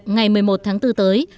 ngày một mươi một tháng bốn tới